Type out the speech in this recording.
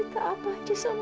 enggak boleh putus asa